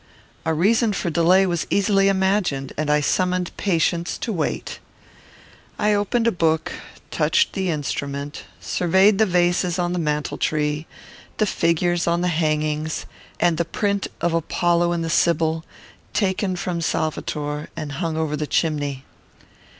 A reason for delay was easily imagined, and I summoned patience to wait. I opened a book; touched the instrument; surveyed the vases on the mantel tree; the figures on the hangings, and the print of Apollo and the Sibyl, taken from Salvator, and hung over the chimney.